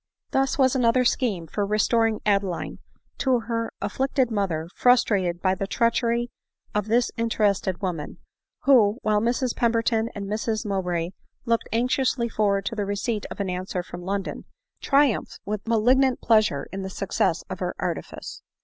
Thus was another scheme for restoring Adeline to her afflicted mother frustrated by the treachery of this inte rested woman ; who, while Mrs Pemberton and Mrs Mowbray looked anxiously forward to the receipt of ac answer from London, triumphed with malignant pleasure in the success of her artifice.